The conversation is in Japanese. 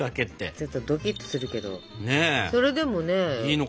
ちょっとドキっとするけどそれでもねできちゃうし。